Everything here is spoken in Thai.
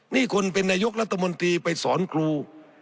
นี่คุณเป็นนายกรัฐมนตรีไปสอนครู